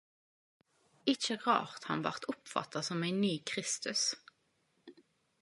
Ikkje rart han vart oppfatta som ein ny Kristus!